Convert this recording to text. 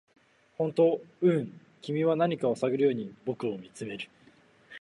「本当？」「うん」君は何かを探るように僕を見つめる